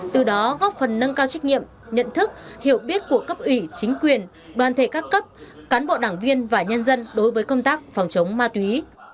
từ đó góp phần nâng cao trách nhiệm nhận thức hiểu biết của cấp ủy chính quyền đoàn thể các cấp cán bộ đảng viên và nhân dân đối với công tác phòng chống ma túy